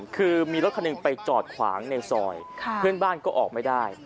คือมีรถคันหนึ่งไปจอดขวางในซอยเพื่อนบ้านก็ออกไม่ได้